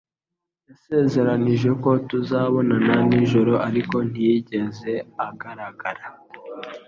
Yasezeranije ko tuzabonana nijoro, ariko ntiyigeze agaragara.